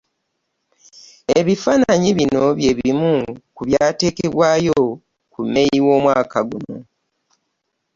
Ebifaananyi bino bye bimu ku byateekebwayo mu May w'omwaka guno